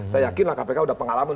saya yakin lah kpk udah pengalaman